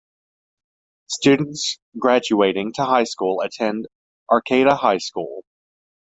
Students graduating to high school attend Arcata High School.